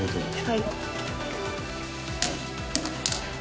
はい。